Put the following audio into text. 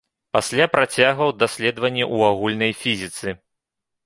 Пасля, працягваў даследаванні ў агульнай фізіцы.